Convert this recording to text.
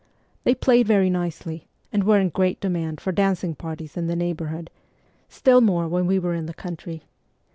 They played very nicely, and were in great demand for dancing parties in the neighbourhood ; still more when we were in the country.